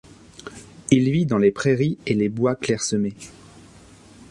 Il vit dans les prairies et les bois clairsemés.